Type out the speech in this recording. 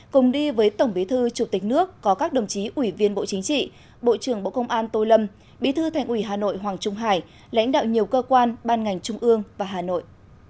cùng đi với tổng bí thư chủ tịch nước có các đồng chí ủy viên bộ chính trị bộ trưởng bộ công an tô lâm bí thư thành ủy hà nội hoàng trung hải lãnh đạo nhiều cơ quan ban ngành trung ương và hà nội